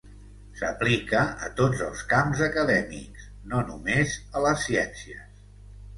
S'aplica a tots els camps acadèmics, no només a les ciències.